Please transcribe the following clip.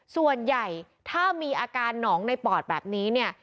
ส่วนใหญ่ถ้ามีอาการหนองในปอดแบบนี้เนี่ย